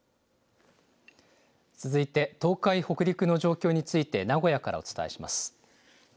続いて、東海、北陸の状況について名古屋からお伝えします。